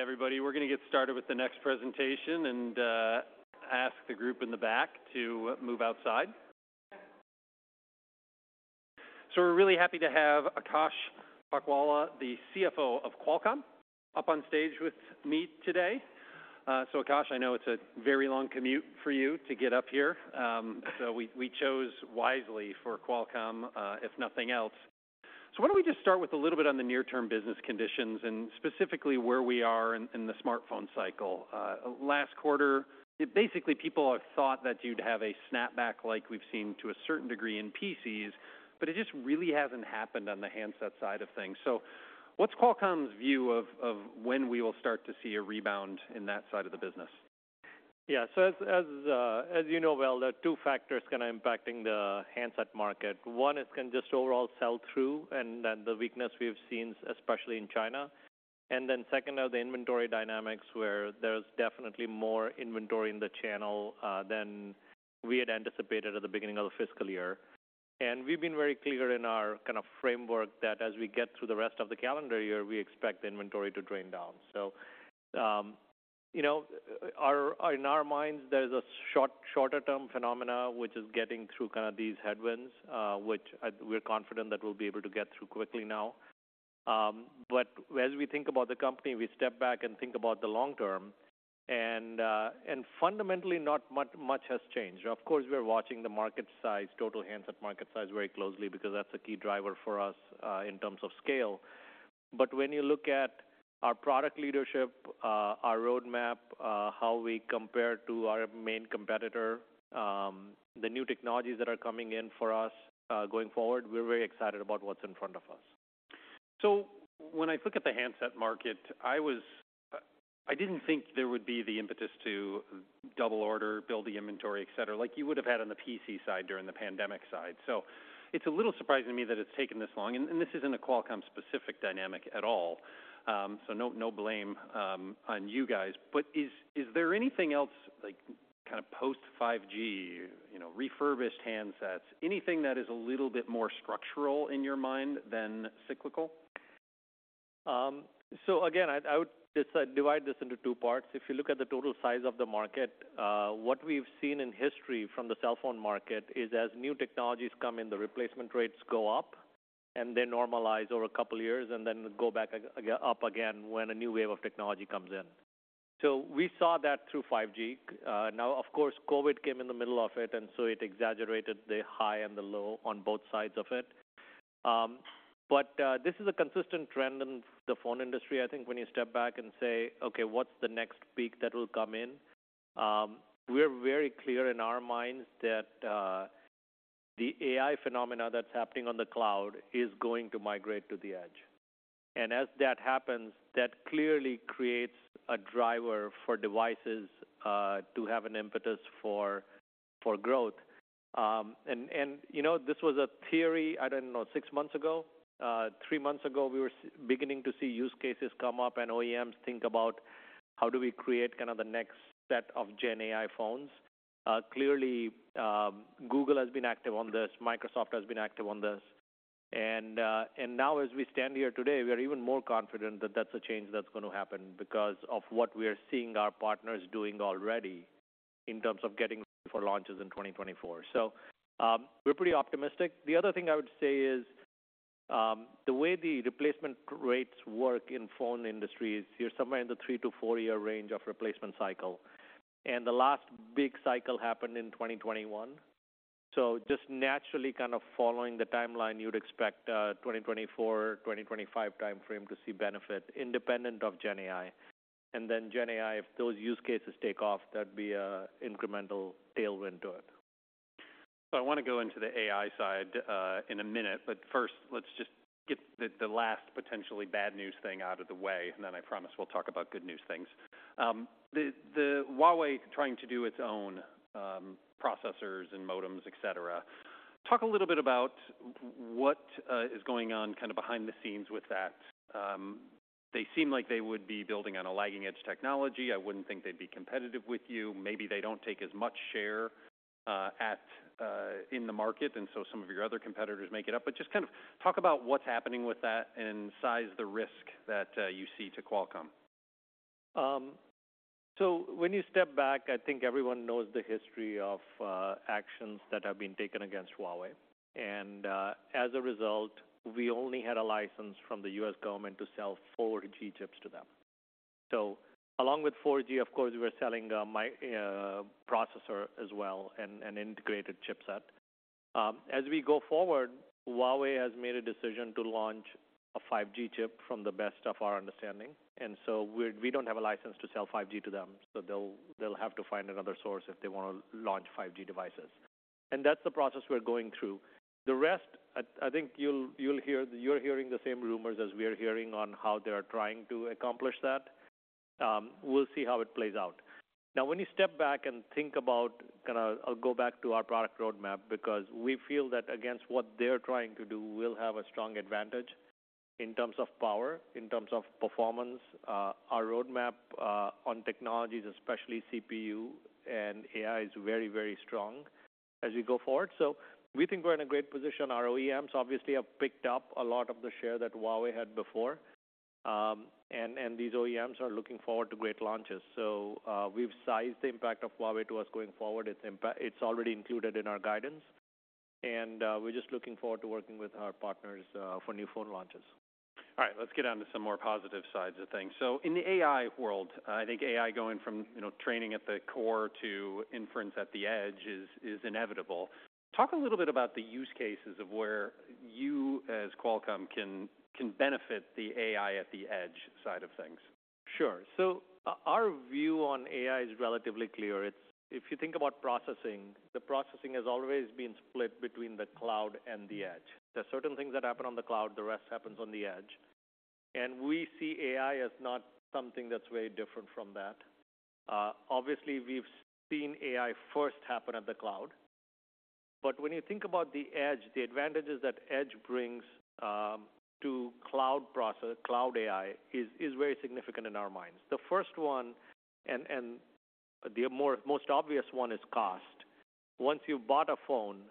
All right, everybody, we're going to get started with the next presentation and ask the group in the back to move outside. So we're really happy to have Akash Palkhiwala, the CFO of Qualcomm, up on stage with me today. So Akash, I know it's a very long commute for you to get up here, so we chose wisely for Qualcomm, if nothing else. So why don't we just start with a little bit on the near-term business conditions and specifically where we are in the smartphone cycle? Last quarter, basically, people have thought that you'd have a snapback like we've seen to a certain degree in PCs, but it just really hasn't happened on the handset side of things. So what's Qualcomm's view of when we will start to see a rebound in that side of the business? Yeah. So as you know well, there are two factors kind of impacting the handset market. One is kind of just overall sell-through and then the weakness we've seen, especially in China. And then second are the inventory dynamics, where there's definitely more inventory in the channel than we had anticipated at the beginning of the fiscal year. And we've been very clear in our kind of framework that as we get through the rest of the calendar year, we expect the inventory to drain down. So, you know, in our minds, there's a short, shorter-term phenomena, which is getting through kind of these headwinds, which we're confident that we'll be able to get through quickly now. But as we think about the company, we step back and think about the long term, and fundamentally, not much has changed. Of course, we're watching the market size, total handset market size very closely because that's a key driver for us in terms of scale. But when you look at our product leadership, our roadmap, how we compare to our main competitor, the new technologies that are coming in for us going forward, we're very excited about what's in front of us. So when I look at the handset market, I was I didn't think there would be the impetus to double order, build the inventory, et cetera, like you would have had on the PC side during the pandemic side. So it's a little surprising to me that it's taken this long, and this isn't a Qualcomm-specific dynamic at all, so no, no blame on you guys. But is there anything else, like, kind of post-5G, you know, refurbished handsets, anything that is a little bit more structural in your mind than cyclical? So again, I would just divide this into two parts. If you look at the total size of the market, what we've seen in history from the cell phone market is as new technologies come in, the replacement rates go up and then normalize over a couple of years and then go back again, up again when a new wave of technology comes in, so we saw that through 5G. Now, of course, COVID came in the middle of it, and so it exaggerated the high and the low on both sides of it. But this is a consistent trend in the phone industry. I think when you step back and say, "Okay, what's the next peak that will come in?" We're very clear in our minds that the AI phenomena that's happening on the cloud is going to migrate to the edge. And as that happens, that clearly creates a driver for devices to have an impetus for growth. And you know, this was a theory, I don't know, six months ago. Three months ago, we were beginning to see use cases come up and OEMs think about: How do we create kind of the next set of GenAI phones? Clearly, Google has been active on this, Microsoft has been active on this, and now as we stand here today, we are even more confident that that's a change that's going to happen because of what we are seeing our partners doing already in terms of getting ready for launches in 2024. So we're pretty optimistic, the other thing I would say is, the way the replacement rates work in phone industries, you're somewhere in the 3 to 4 year range of replacement cycle, and the last big cycle happened in 2021. So just naturally kind of following the timeline, you'd expect, 2024-2025 timeframe to see benefit independent of GenAI. And then GenAI, if those use cases take off, that'd be an incremental tailwind to it. So I want to go into the AI side in a minute, but first, let's just get the last potentially bad news thing out of the way, and then I promise we'll talk about good news things. The Huawei trying to do its own processors and modems, et cetera. Talk a little bit about what is going on kind of behind the scenes with that. They seem like they would be building on a lagging edge technology. I wouldn't think they'd be competitive with you. Maybe they don't take as much share in the market, and so some of your other competitors make it up. But just kind of talk about what's happening with that and size the risk that you see to Qualcomm. So when you step back, I think everyone knows the history of actions that have been taken against Huawei, and as a result, we only had a license from the U.S. government to sell 4G chips to them. So along with 4G, of course, we're selling modem processor as well, and an integrated chipset. As we go forward, Huawei has made a decision to launch a 5G chip to the best of our understanding, and so we don't have a license to sell 5G to them, so they'll have to find another source if they want to launch 5G devices. And that's the process we're going through, the rest I think you'll hear. You're hearing the same rumors as we are hearing on how they are trying to accomplish that. We'll see how it plays out. Now, when you step back and think about, kind of I'll go back to our product roadmap because we feel that against what they're trying to do, we'll have a strong advantage in terms of power, in terms of performance. Our roadmap on technologies, especially CPU and AI, is very, very strong as we go forward. So we think we're in a great position. Our OEMs obviously have picked up a lot of the share that Huawei had before. And these OEMs are looking forward to great launches. So we've sized the impact of Huawei to us going forward. It's already included in our guidance, and we're just looking forward to working with our partners for new phone launches. All right, let's get on to some more positive sides of things. So in the AI world, I think AI going from, you know, training at the core to inference at the edge is inevitable. Talk a little bit about the use cases of where you, as Qualcomm, can benefit the AI at the edge side of things. Sure, so our view on AI is relatively clear. If you think about processing, the processing has always been split between the cloud and the edge. There are certain things that happen on the cloud, the rest happens on the edge, and we see AI as not something that's very different from that. Obviously, we've seen AI first happen at the cloud. But when you think about the edge, the advantages that edge brings to cloud processing cloud AI is very significant in our minds. The first one, and the most obvious one, is cost. Once you've bought a phone,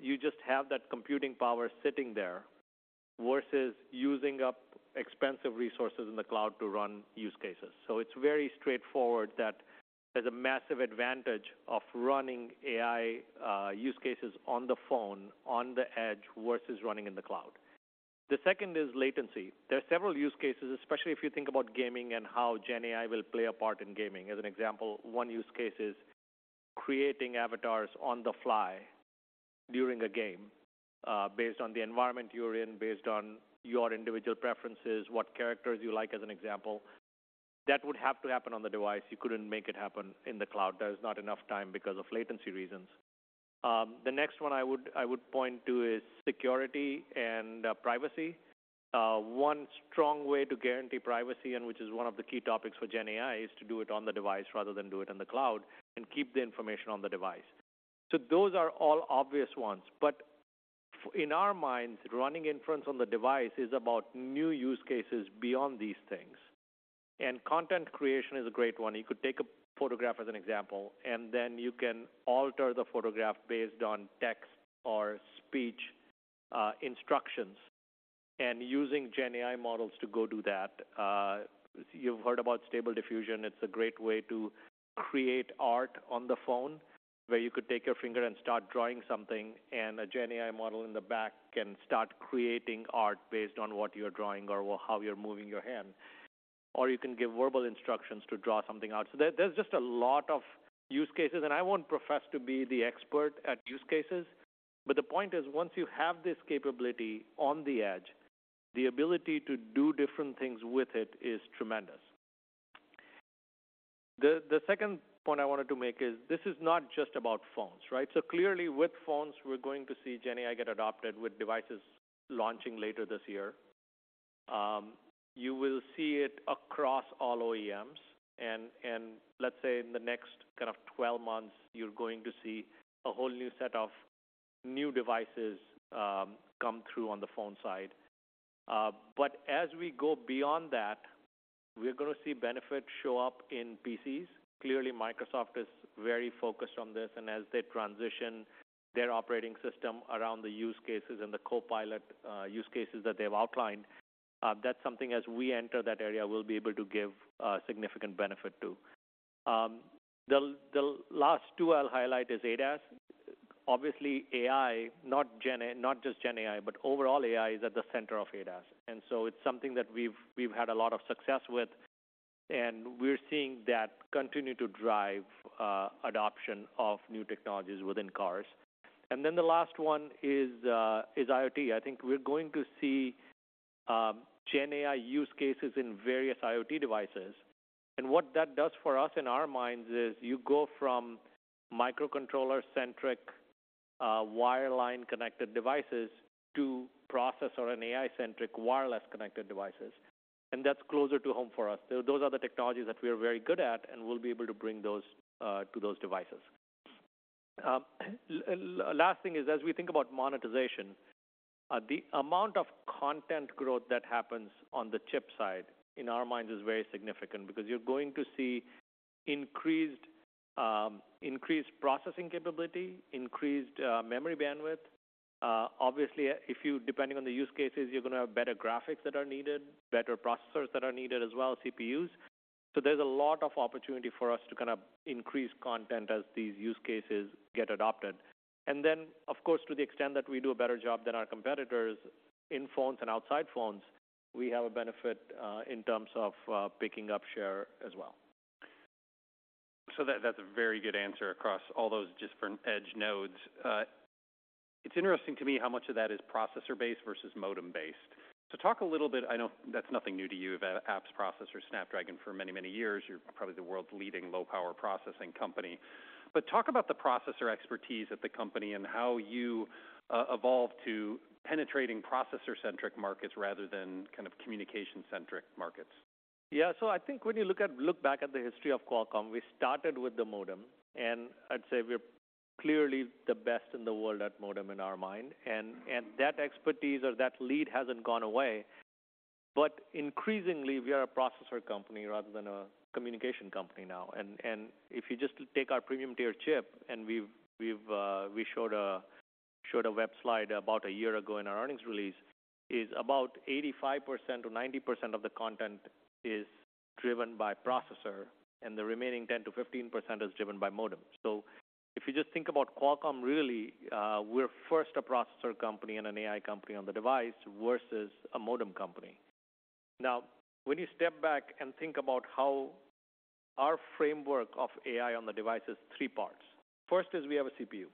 you just have that computing power sitting there versus using up expensive resources in the cloud to run use cases. So it's very straightforward that there's a massive advantage of running AI use cases on the phone, on the edge, versus running in the cloud. The second is latency, there are several use cases, especially if you think about gaming and how GenAI will play a part in gaming. As an example, one use case is creating avatars on the fly during a game based on the environment you're in, based on your individual preferences, what characters you like, as an example. That would have to happen on the device. You couldn't make it happen in the cloud. There's not enough time because of latency reasons. The next one I would point to is security and privacy. One strong way to guarantee privacy, and which is one of the key topics for GenAI, is to do it on the device rather than do it in the cloud, and keep the information on the device. So those are all obvious ones, but in our minds, running inference on the device is about new use cases beyond these things, and content creation is a great one. You could take a photograph, as an example, and then you can alter the photograph based on text or speech instructions, and using GenAI models to go do that. You've heard about Stable Diffusion. It's a great way to create art on the phone, where you could take your finger and start drawing something, and a GenAI model in the back can start creating art based on what you're drawing or how you're moving your hand. Or you can give verbal instructions to draw something out. So there, there's just a lot of use cases, and I won't profess to be the expert at use cases, but the point is, once you have this capability on the edge, the ability to do different things with it is tremendous. The second point I wanted to make is, this is not just about phones, right? So clearly, with phones, we're going to see GenAI get adopted with devices launching later this year. You will see it across all OEMs, and let's say in the next kind of 12 months, you're going to see a whole new set of new devices come through on the phone side. But as we go beyond that, we're going to see benefits show up in PCs. Clearly, Microsoft is very focused on this, and as they transition their operating system around the use cases and the Copilot use cases that they've outlined, that's something, as we enter that area, we'll be able to give a significant benefit too. The last two I'll highlight is ADAS. Obviously, AI, not just GenAI, but overall AI, is at the center of ADAS, and so it's something that we've had a lot of success with, and we're seeing that continue to drive adoption of new technologies within cars. And then the last one is IoT. I think we're going to see GenAI use cases in various IoT devices. And what that does for us, in our minds, is you go from microcontroller-centric, wireline-connected devices to processor or AI-centric wireless-connected devices, and that's closer to home for us. So those are the technologies that we are very good at, and we'll be able to bring those to those devices. Last thing is, as we think about monetization, the amount of content growth that happens on the chip side, in our minds, is very significant because you're going to see increased, increased processing capability, increased memory bandwidth. Obviously, if depending on the use cases, you're going to have better graphics that are needed, better processors that are needed as well, CPUs. So there's a lot of opportunity for us to kind of increase content as these use cases get adopted. And then, of course, to the extent that we do a better job than our competitors in phones and outside phones, we have a benefit in terms of picking up share as well. So that, that's a very good answer across all those different edge nodes. It's interesting to me how much of that is processor-based versus modem-based. So talk a little bit, I know that's nothing new to you about apps, processor, Snapdragon for many, many years. You're probably the world's leading low-power processing company. But talk about the processor expertise at the company and how you evolved to penetrating processor-centric markets rather than kind of communication-centric markets. Yeah, so I think when you look back at the history of Qualcomm, we started with the modem, and I'd say we're clearly the best in the world at modem in our mind. And that expertise or that lead hasn't gone away. But increasingly, we are a processor company rather than a communication company now. And if you just take our premium-tier chip and we've we showed a web slide about a year ago in our earnings release, is about 85% to 90% of the content is driven by processor, and the remaining 10% to 15% is driven by modem. So if you just think about Qualcomm, really, we're first a processor company and an AI company on the device versus a modem company. Now, when you step back and think about how our framework of AI on the device is three parts. First is we have a CPU,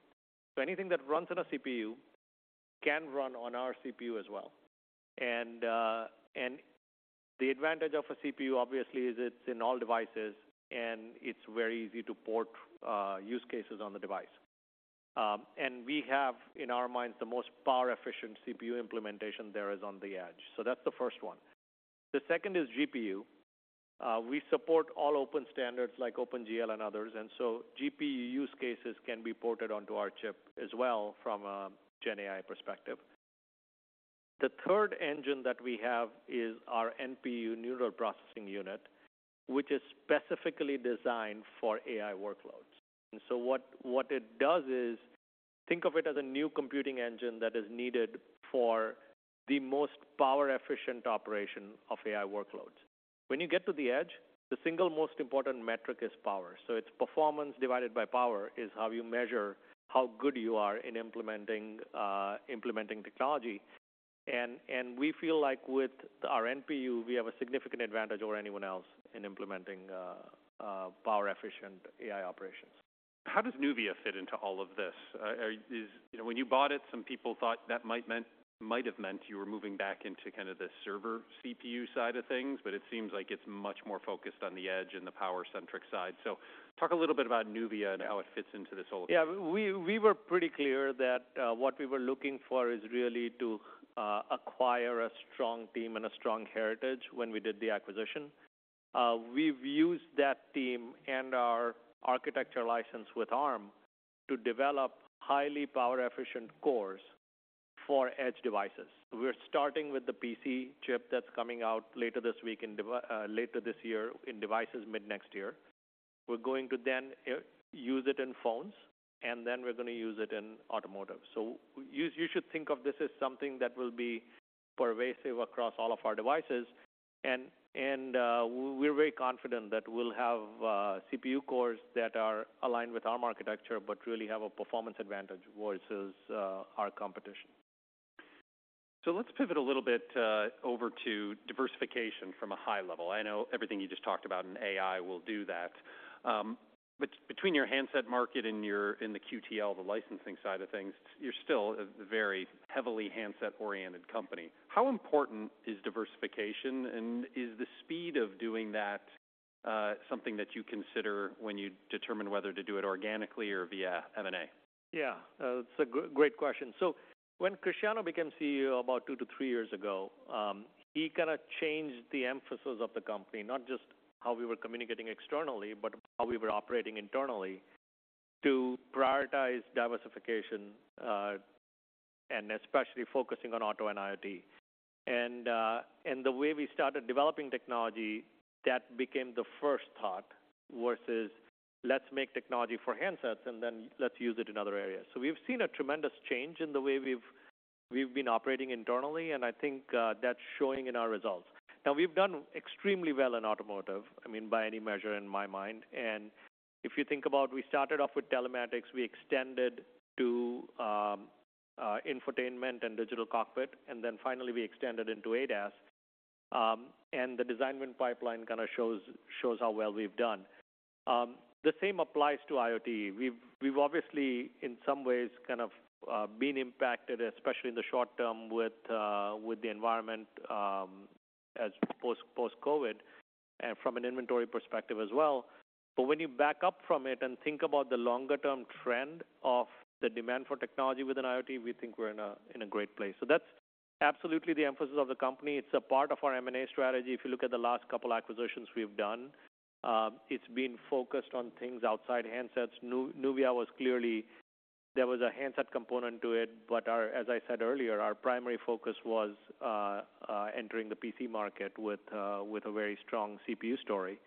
so anything that runs on a CPU can run on our CPU as well. And the advantage of a CPU, obviously, is it's in all devices, and it's very easy to port use cases on the device. And we have, in our minds the most power-efficient CPU implementation there is on the edge. So that's the first one. The second is GPU, we support all open standards like OpenGL and others. And so GPU use cases can be ported onto our chip as well from a Gen AI perspective. The third engine that we have is our NPU, neural processing unit, which is specifically designed for AI workloads. So what it does is, think of it as a new computing engine that is needed for the most power-efficient operation of AI workloads. When you get to the edge, the single most important metric is power. So it's performance divided by power is how you measure how good you are in implementing technology. And we feel like with our NPU, we have a significant advantage over anyone else in implementing power-efficient AI operations. How does NUVIA fit into all of this? When you bought it, some people thought that might have meant you were moving back into kind of the server CPU side of things, but it seems like it's much more focused on the edge and the power-centric side. So talk a little bit about NUVIA and how it fits into this whole? Yeah, we were pretty clear that what we were looking for is really to acquire a strong team and a strong heritage when we did the acquisition. We've used that team and our architecture license with Arm to develop highly power-efficient cores for edge devices. We're starting with the PC chip that's coming out later this year, in devices mid-next year. We're going to then use it in phones, and then we're going to use it in automotive. So you should think of this as something that will be pervasive across all of our devices, and we're very confident that we'll have CPU cores that are aligned with our architecture but really have a performance advantage versus our competition. So let's pivot a little bit over to diversification from a high level. I know everything you just talked about in AI will do that. But between your handset market and your, in the QTL, the licensing side of things, you're still a very heavily handset-oriented company. How important is diversification, and is the speed of doing that something that you consider when you determine whether to do it organically or via M&A? Yeah, that's a good, great question. So when Cristiano became CEO about 2 to 3 years ago, he kind of changed the emphasis of the company, not just how we were communicating externally, but how we were operating internally to prioritize diversification, and especially focusing on auto and IoT. And the way we started developing technology, that became the first thought, versus "Let's make technology for handsets, and then let's use it in other areas." So we've seen a tremendous change in the way we've been operating internally, and I think, that's showing in our results. Now, we've done extremely well in automotive, I mean, by any measure in my mind. And if you think about we started off with telematics, we extended to infotainment and digital cockpit, and then finally we extended into ADAS. And the design win pipeline kind of shows how well we've done. The same applies to IoT, we've obviously in some ways kind of been impacted, especially in the short term, with the environment, as post-COVID and from an inventory perspective as well. But when you back up from it and think about the longer-term trend of the demand for technology within IoT, we think we're in a great place. So that's absolutely the emphasis of the company. It's a part of our M&A strategy, If you look at the last couple acquisitions we've done, it's been focused on things outside handsets. Nuvia was clearly, there was a handset component to it, but as I said earlier, our primary focus was entering the PC market with a very strong CPU story.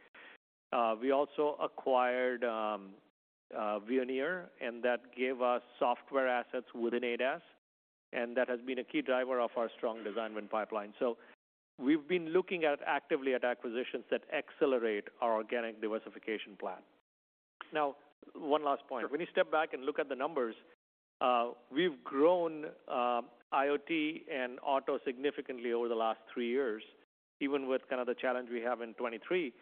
We also acquired Veoneer, and that gave us software assets within ADAS, and that has been a key driver of our strong design win pipeline. So we've been looking actively at acquisitions that accelerate our organic diversification plan. Now, one last point. Sure. When you step back and look at the numbers, we've grown IoT and auto significantly over the last three years, even with kind of the challenge we have in 2023.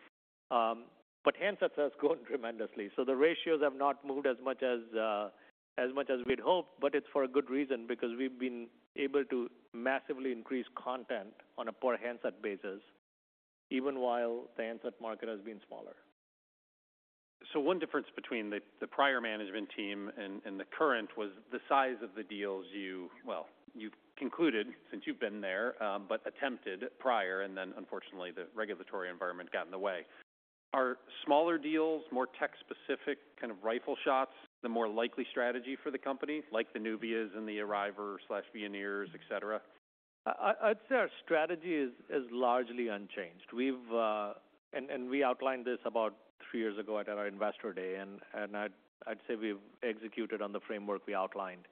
But handsets has grown tremendously, so the ratios have not moved as much as as much as we'd hoped, but it's for a good reason, because we've been able to massively increase content on a per-handset basis, even while the handset market has been smaller. So one difference between the prior management team and the current was the size of the deals you, well, you've concluded since you've been there, but attempted prior, and then unfortunately, the regulatory environment got in the way. Are smaller deals, more tech-specific kind of rifle shots, the more likely strategy for the company, like the NUVIA and the Arriver/Veoneer, et cetera? I'd say our strategy is largely unchanged. And we outlined this about three years ago at our Investor Day, and I'd say we've executed on the framework we outlined.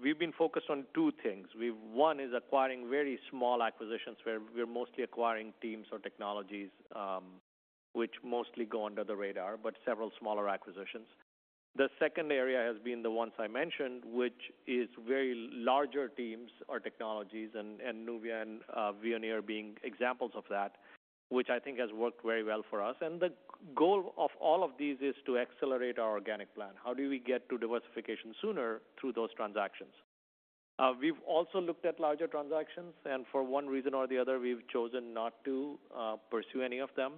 We've been focused on two things. One is acquiring very small acquisitions where we're mostly acquiring teams or technologies, which mostly go under the radar, but several smaller acquisitions. The second area has been the ones I mentioned, which is very larger teams or technologies, and NUVIA and Veoneer being examples of that, which I think has worked very well for us. And the goal of all of these is to accelerate our organic plan. How do we get to diversification sooner through those transactions? We've also looked at larger transactions, and for one reason or the other, we've chosen not to pursue any of them,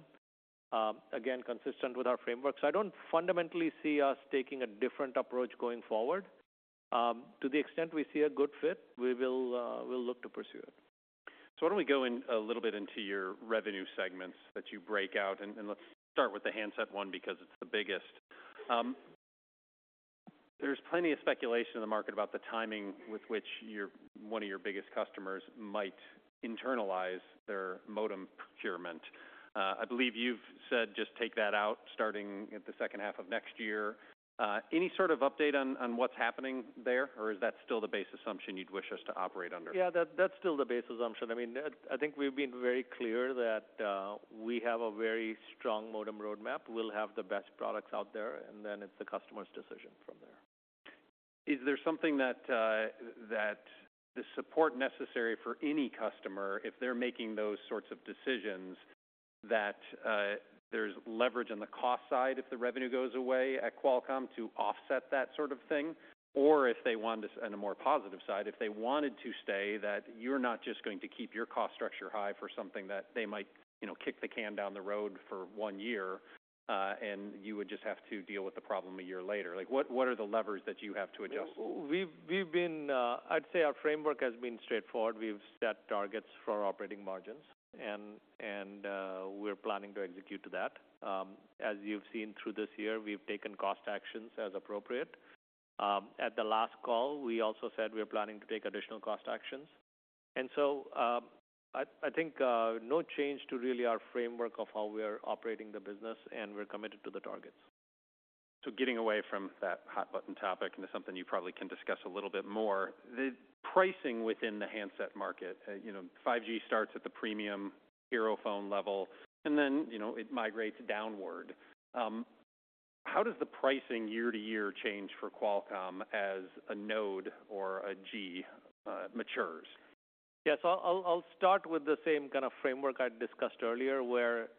again, consistent with our framework. I don't fundamentally see us taking a different approach going forward. To the extent we see a good fit, we will, we'll look to pursue it. So why don't we go in a little bit into your revenue segments that you break out, and let's start with the handset one because it's the biggest. There's plenty of speculation in the market about the timing with which your, one of your biggest customers might internalize their modem procurement. I believe you've said, just take that out starting at the second half of next year. Any sort of update on what's happening there, or is that still the base assumption you'd wish us to operate under? Yeah, that's still the base assumption. I mean, I think we've been very clear that we have a very strong modem roadmap. We'll have the best products out there, and then it's the customer's decision from there. Is there something that, that the support necessary for any customer, if they're making those sorts of decisions, that there's leverage on the cost side if the revenue goes away at Qualcomm to offset that sort of thing? Or if they want this on a more positive side, if they wanted to stay, that you're not just going to keep your cost structure high for something that they might, you know, kick the can down the road for one year, and you would just have to deal with the problem a year later. Like, what, what are the levers that you have to adjust? We've been, I'd say our framework has been straightforward. We've set targets for our operating margins, and we're planning to execute to that. As you've seen through this year, we've taken cost actions as appropriate. At the last call, we also said we're planning to take additional cost actions. And so, I think no change to really our framework of how we are operating the business, and we're committed to the targets. So getting away from that hot-button topic into something you probably can discuss a little bit more, the pricing within the handset market, you know, 5G starts at the premium hero phone level, and then, you know, it migrates downward. How does the pricing year to year change for Qualcomm as a node or a G matures? Yes, I'll start with the same kind of framework I discussed earlier, where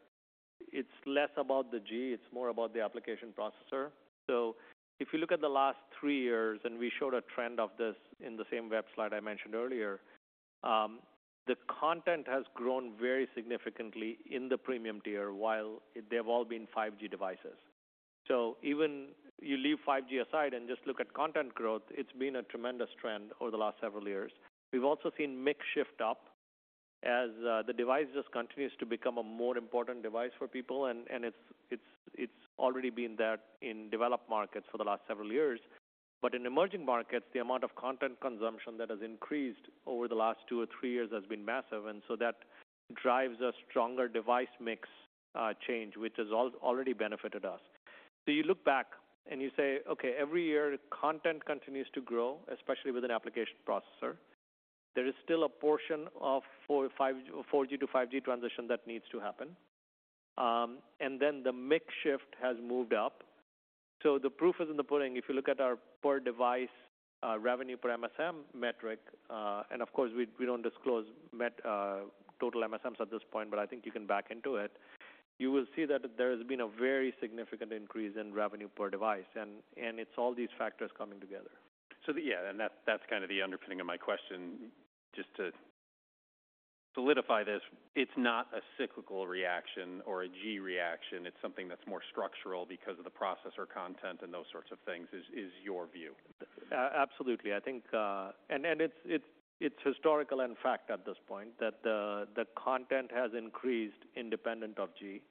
it's less about the G, it's more about the application processor. So if you look at the last three years, and we showed a trend of this in the same web slide I mentioned earlier, the content has grown very significantly in the premium tier, while they've all been 5G devices. So even you leave 5G aside and just look at content growth, it's been a tremendous trend over the last several years. We've also seen mix shift up as the device just continues to become a more important device for people, and it's already been that in developed markets for the last several years. But in emerging markets, the amount of content consumption that has increased over the last two or three years has been massive, and so that drives a stronger device mix change, which has already benefited us. So you look back and you say, "Okay, every year, content continues to grow, especially with an application processor." There is still a portion of 4G to 5G transition that needs to happen. And then the mix shift has moved up. So the proof is in the pudding. If you look at our per device revenue per MSM metric, and of course, we don't disclose total MSMs at this point, but I think you can back into it. You will see that there has been a very significant increase in revenue per device, and it's all these factors coming together. So yeah, and that's, that's kind of the underpinning of my question. Just to solidify this, it's not a cyclical reaction or a G reaction. It's something that's more structural because of the processor content and those sorts of things, is, is your view? Absolutely, I think. And it's historical and fact at this point, that the content has increased independent of G.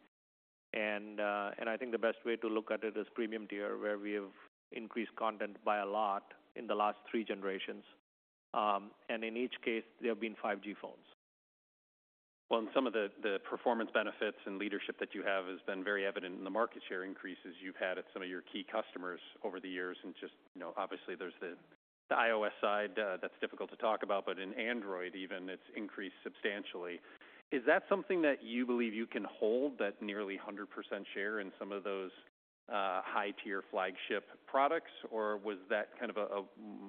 And I think the best way to look at it is premium tier, where we have increased content by a lot in the last three generations. And in each case, they have been 5G phones. Well, some of the performance benefits and leadership that you have has been very evident in the market share increases you've had at some of your key customers over the years. And just, you know, obviously, there's the iOS side that's difficult to talk about, but in Android, even, it's increased substantially. Is that something that you believe you can hold, that nearly 100% share in some of those high-tier flagship products, or was that kind of a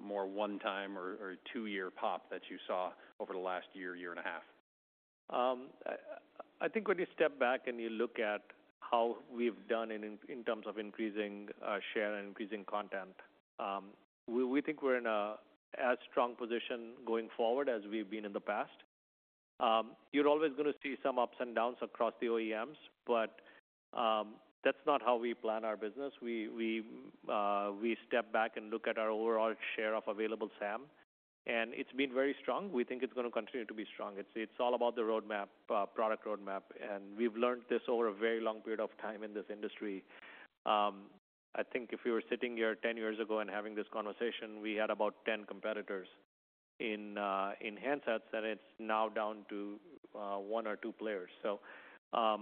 more one-time or two-year pop that you saw over the last year and a half? I think when you step back and you look at how we've done in terms of increasing share and increasing content, we think we're in as strong position going forward as we've been in the past. You're always going to see some ups and downs across the OEMs, but that's not how we plan our business. We step back and look at our overall share of available SAM, and it's been very strong. We think it's going to continue to be strong. It's all about the roadmap, product roadmap, and we've learned this over a very long period of time in this industry. I think if we were sitting here 10 years ago and having this conversation, we had about 10 competitors in, in handsets, and it's now down to, one or two players. So, I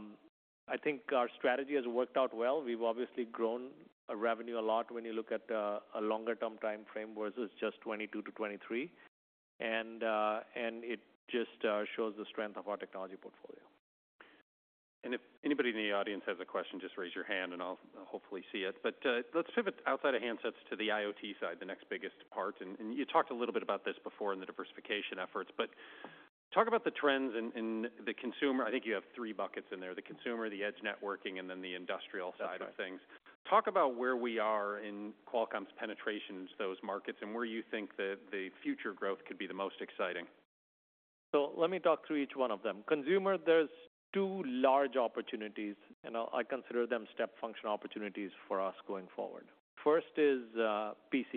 think our strategy has worked out well. We've obviously grown our revenue a lot when you look at a longer-term time frame versus just 2022 to 2023. And it just shows the strength of our technology portfolio. And if anybody in the audience has a question, just raise your hand and I'll hopefully see it. But, let's pivot outside of handsets to the IoT side, the next biggest part. And you talked a little bit about this before in the diversification efforts, but talk about the trends in the consumer. I think you have three buckets in there: the consumer, the edge networking, and then the industrial. That's right -side of things. Talk about where we are in Qualcomm's penetration in those markets and where you think the future growth could be the most exciting. So let me talk through each one of them. Consumer, there's two large opportunities, and I consider them step function opportunities for us going forward. First is PC.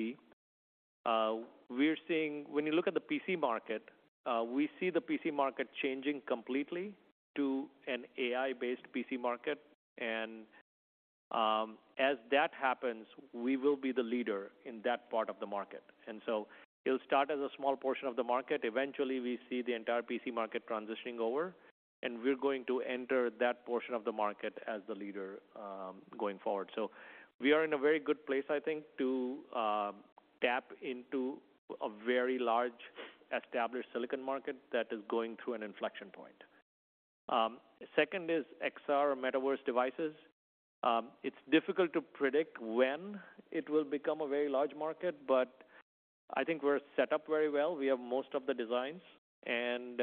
We're seeing, when you look at the PC market, we see the PC market changing completely to an AI-based PC market, and, as that happens, we will be the leader in that part of the market. And so it'll start as a small portion of the market. Eventually, we see the entire PC market transitioning over, and we're going to enter that portion of the market as the leader, going forward. So we are in a very good place, I think, to tap into a very large, established silicon market that is going through an inflection point. Second is XR or metaverse devices. It's difficult to predict when it will become a very large market, but I think we're set up very well. We have most of the designs, and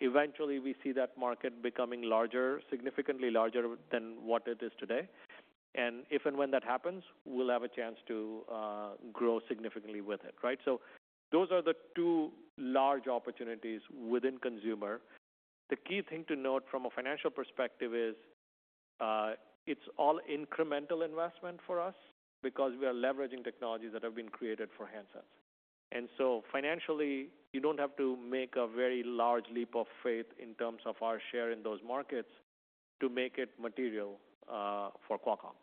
eventually we see that market becoming larger, significantly larger than what it is today. And if and when that happens, we'll have a chance to grow significantly with it, right? So those are the two large opportunities within consumer. The key thing to note from a financial perspective is it's all incremental investment for us because we are leveraging technologies that have been created for handsets. And so financially, you don't have to make a very large leap of faith in terms of our share in those markets to make it material for Qualcomm.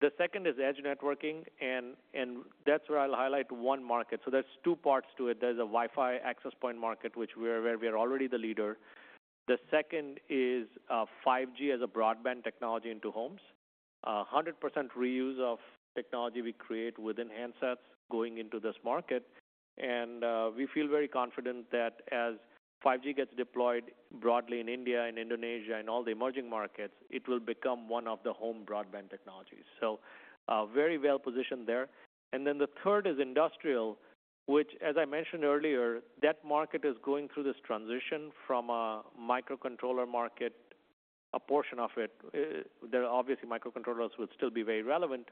The second is edge networking, and that's where I'll highlight one market. So there's two parts to it. There's a Wi-Fi access point market, which we're already the leader. The second is 5G as a broadband technology into homes. 100% reuse of technology we create within handsets going into this market, and we feel very confident that as 5G gets deployed broadly in India and Indonesia and all the emerging markets, it will become one of the home broadband technologies. So, very well positioned there. And then the third is industrial, which, as I mentioned earlier, that market is going through this transition from a microcontroller market, a portion of it. There are obviously microcontrollers will still be very relevant,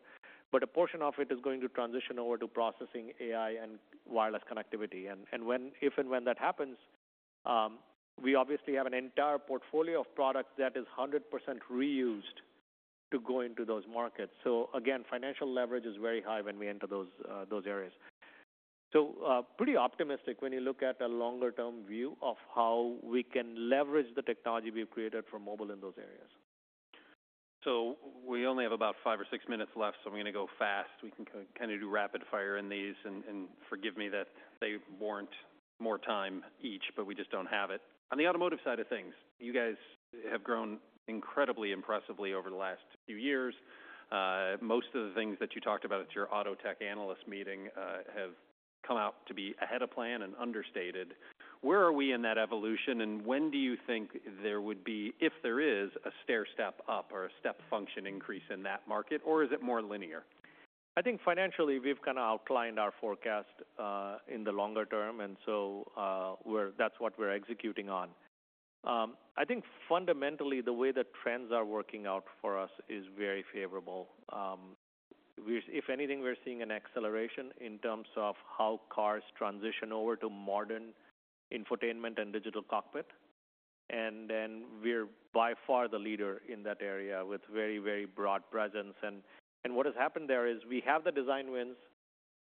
but a portion of it is going to transition over to processing AI and wireless connectivity. If and when that happens, we obviously have an entire portfolio of products that is 100% reused to go into those markets. So again, financial leverage is very high when we enter those areas. So, pretty optimistic when you look at a longer-term view of how we can leverage the technology we've created for mobile in those areas. So we only have about five or six minutes left, so I'm going to go fast. We can kind of do rapid fire in these, and forgive me that they warrant more time each, but we just don't have it. On the automotive side of things, you guys have grown incredibly impressively over the last few years. Most of the things that you talked about at your auto tech analyst meeting have come out to be ahead of plan and understated. Where are we in that evolution, and when do you think there would be, if there is, a stairstep up or a step function increase in that market, or is it more linear? I think financially, we've kind of outlined our forecast in the longer term, and so, that's what we're executing on. I think fundamentally, the way the trends are working out for us is very favorable. If anything, we're seeing an acceleration in terms of how cars transition over to modern infotainment and digital cockpit. And then we're by far the leader in that area with very, very broad presence. And what has happened there is we have the design wins.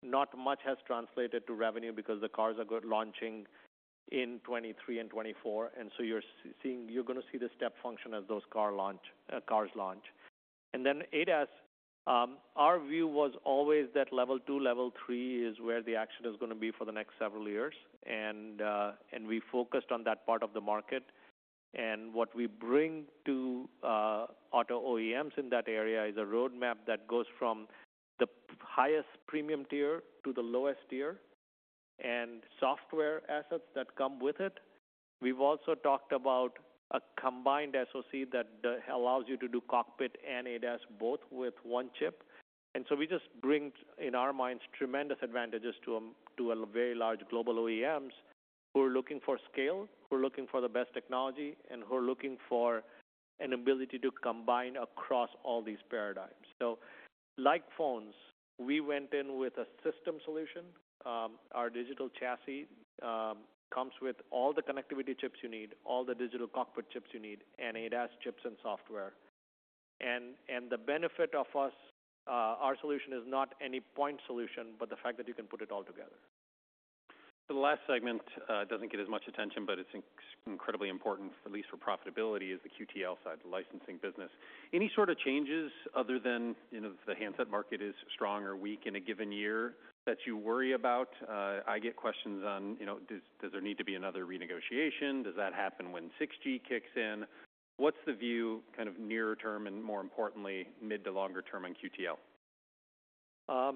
Not much has translated to revenue because the cars are launching in 2023 and 2024, and so you're going to see the step function as those cars launch. And then ADAS, our view was always that Level 2, Level 3 is where the action is going to be for the next several years, and we focused on that part of the market. What we bring to auto OEMs in that area is a roadmap that goes from the highest premium tier to the lowest tier, and software assets that come with it. We've also talked about a combined SoC that allows you to do cockpit and ADAS both with one chip. So we just bring, in our minds, tremendous advantages to a very large global OEMs who are looking for scale, who are looking for the best technology, and who are looking for an ability to combine across all these paradigms. Like phones, we went in with a system solution. Our Digital Chassis comes with all the connectivity chips you need, all the digital cockpit chips you need, and ADAS chips and software. And the benefit of our solution is not any point solution, but the fact that you can put it all together. So the last segment doesn't get as much attention, but it's incredibly important, at least for profitability, is the QTL side, the licensing business. Any sort of changes other than, you know, if the handset market is strong or weak in a given year, that you worry about? I get questions on, you know, does, does there need to be another renegotiation? Does that happen when 6G kicks in? What's the view, kind of, nearer term, and more importantly, mid to longer term on QTL? So,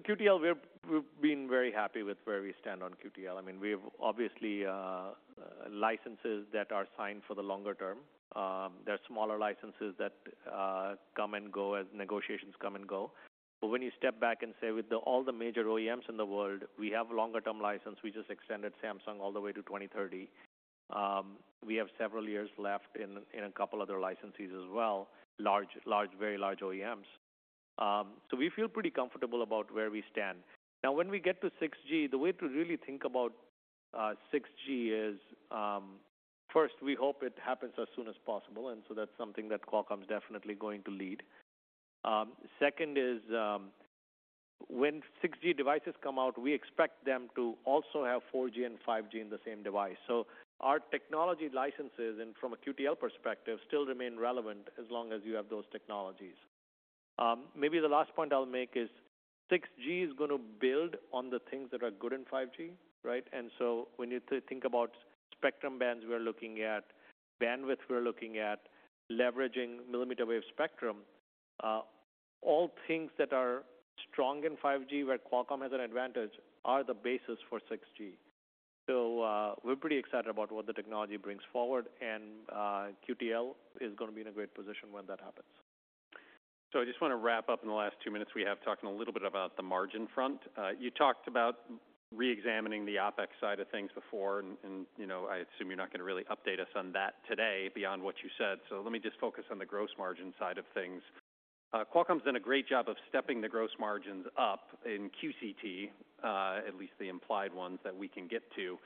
QTL, we've been very happy with where we stand on QTL. I mean, we've obviously licenses that are signed for the longer term. There are smaller licenses that come and go as negotiations come and go. But when you step back and say, with all the major OEMs in the world, we have longer-term license. We just extended Samsung all the way to 2030. We have several years left in a couple other licensees as well, large, very large OEMs. So we feel pretty comfortable about where we stand. Now, when we get to 6G, the way to really think about 6G is, first, we hope it happens as soon as possible, and so that's something that Qualcomm is definitely going to lead. Second is, when 6G devices come out, we expect them to also have 4G and 5G in the same device. So our technology licenses, and from a QTL perspective, still remain relevant as long as you have those technologies. Maybe the last point I'll make is 6G is going to build on the things that are good in 5G, right? And so when you think about spectrum bands, we're looking at bandwidth, we're looking at leveraging millimeter wave spectrum. All things that are strong in 5G, where Qualcomm has an advantage, are the basis for 6G. So, we're pretty excited about what the technology brings forward, and, QTL is going to be in a great position when that happens. So I just want to wrap up in the last two minutes we have, talking a little bit about the margin front. You talked about reexamining the OpEx side of things before, and you know, I assume you're not going to really update us on that today beyond what you said. So let me just focus on the gross margin side of things. Qualcomm's done a great job of stepping the gross margins up in QCT, at least the implied ones that we can get to,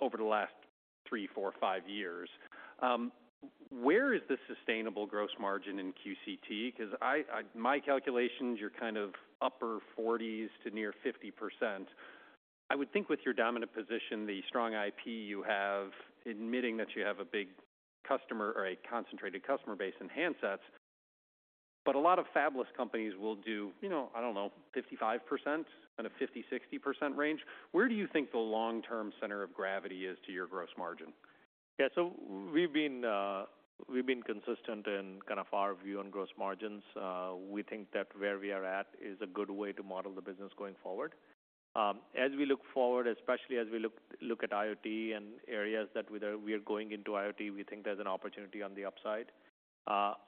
over the last three, four, five years. Where is the sustainable gross margin in QCT? Because my calculations, you're kind of upper 40s to near 50%. I would think with your dominant position, the strong IP you have, admitting that you have a big customer or a concentrated customer base in handsets, but a lot of fabless companies will do, you know, I don't know, 55% on a 50% to 60% range. Where do you think the long-term center of gravity is to your gross margin? Yeah. So we've been, we've been consistent in kind of our view on gross margins. We think that where we are at is a good way to model the business going forward. As we look forward, especially as we look at IoT and areas that we are going into IoT, we think there's an opportunity on the upside.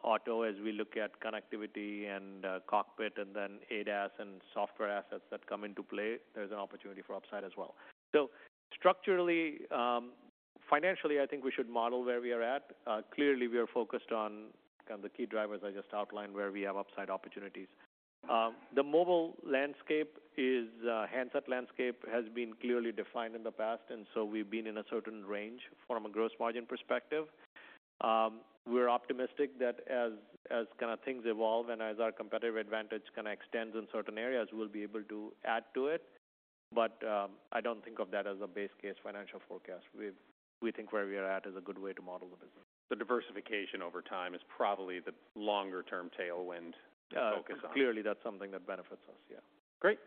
Auto, as we look at connectivity and cockpit and then ADAS and software assets that come into play, there's an opportunity for upside as well. So structurally, financially, I think we should model where we are at. Clearly, we are focused on kind of the key drivers I just outlined, where we have upside opportunities. The mobile landscape is, handset landscape has been clearly defined in the past, and so we've been in a certain range from a gross margin perspective. We're optimistic that as kind of things evolve and as our competitive advantage kind of extends in certain areas, we'll be able to add to it. But, I don't think of that as a base case financial forecast. We think where we are at is a good way to model the business. The diversification over time is probably the longer-term tailwind to focus on. Clearly, that's something that benefits us. Yeah. Great.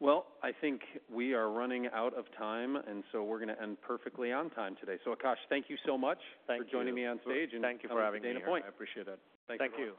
Well, I think we are running out of time, and so we're going to end perfectly on time today. So Akash, thank you so much. Thank you. for joining me on stage. Thank you for having me here. I appreciate it. Thank you. Thank you.